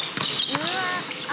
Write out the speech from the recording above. うわ！